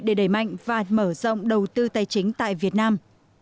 để đẩy mạnh và mở rộng đầu tư tài chính tại việt nam